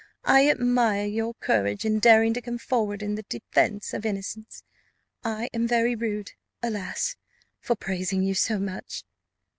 I admire your courage in daring to come forward in the defence of innocence. I am very rude, alas! for praising you so much."